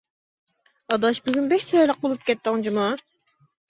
-ئاداش بۈگۈن بەك چىرايلىق بولۇپ كەتتىڭ جۇمۇ.